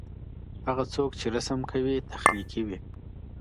هغه څوک چي رسم کوي تخليقي وي.